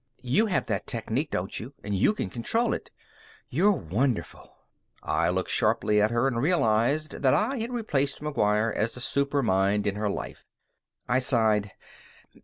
"You have that technique, don't you? And you can control it. You're wonderful." I looked sharply at her and realized that I had replaced McGuire as the supermind in her life. I sighed.